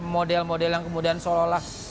model model yang kemudian seolah olah